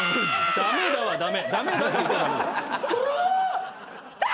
「ダメだ」はダメ。